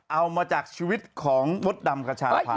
เอามาจากชีวิตของมดดำกระชาพา